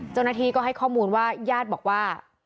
เจ้าหน้าที่ก็ให้ข้อมูลว่า